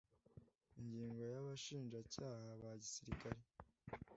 Ingingo ya Abashinjacyaha ba Gisirikare